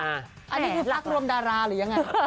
อันนี้คือรักรวมดาราหรือยังไง